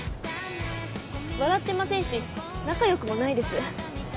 笑ってませんし仲よくもないです。